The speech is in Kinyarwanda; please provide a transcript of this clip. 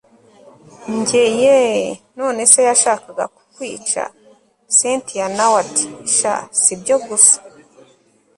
njye yeeeeh! nonese yashakaga kukwica!? cyntia nawe ati sha sibyo gusa